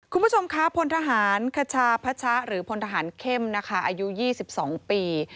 คุณผู้ชมคะพลทหารคชาพัชะหรือพลทหารเข้มนะคะอายุ๒๒ปี